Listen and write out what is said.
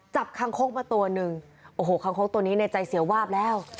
คางคกมาตัวหนึ่งโอ้โหคางคกตัวนี้ในใจเสียวาบแล้ว